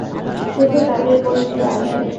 শুধু তাঁদের কর্মীরা আসেন।